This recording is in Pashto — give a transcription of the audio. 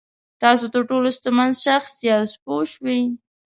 تاسو تر ټولو شتمن شخص یاست پوه شوې!.